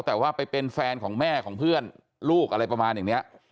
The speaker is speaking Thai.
แต่ว่าไปเป็นแฟนของแม่ของเพื่อนลูกอะไรประมาณอย่างนี้